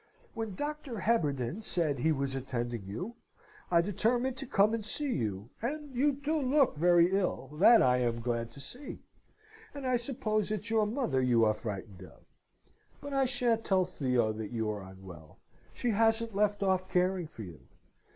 When Doctor Heberden said he was attending you, I determined to come and see you, and you do look very ill, that I am glad to see; and I suppose it's your mother you are frightened of. But I shan't tell Theo that you are unwell. She hasn't left off caring for you.